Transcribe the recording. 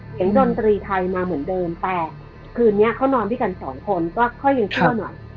ดนตรีไทยมาเหมือนเดิมแต่คืนนี้เขานอนด้วยกันสองคนก็ค่อยยังเที่ยวหน่อย